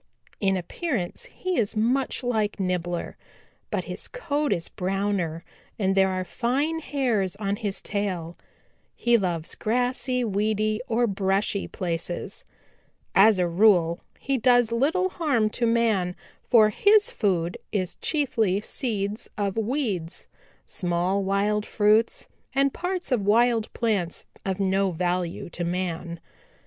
In appearance he is much like Nibbler, but his coat is browner and there are fine hairs on his tail. He loves grassy, weedy or brushy places. "As a rule he does little harm to man, for his food is chiefly seeds of weeds, small wild fruits and parts of wild plants of no value to man.